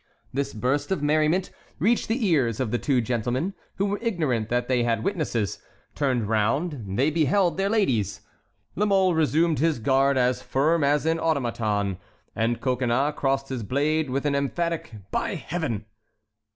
This burst of merriment reached the ears of the two gentlemen, who were ignorant that they had witnesses; turning round, they beheld their ladies. La Mole resumed his guard as firm as an automaton, and Coconnas crossed his blade with an emphatic "By Heaven!"